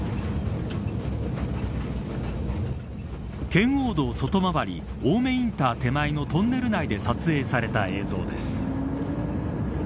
圏央道外回り青梅インター手前のトンネル内で撮影された映像です。